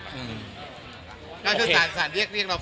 น่าช่วยศาลเรียกเรียก